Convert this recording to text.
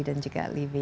dan juga libi